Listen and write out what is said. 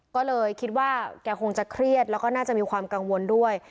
ก็เลยคิดว่าแกคงจะเครียดแล้วก็น่าจะมีความกังวลด้วย